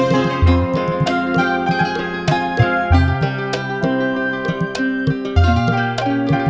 jangan tanggalkan jiwa itu pak izan